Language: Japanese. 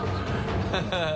ハハハ